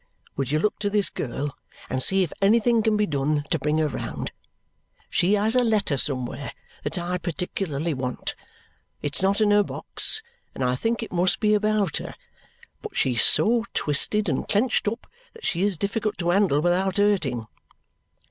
Would you look to this girl and see if anything can be done to bring her round. She has a letter somewhere that I particularly want. It's not in her box, and I think it must be about her; but she is so twisted and clenched up that she is difficult to handle without hurting."